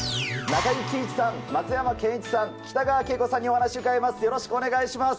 中井貴一さん、松山ケンイチさん、北川景子さんにお話伺います。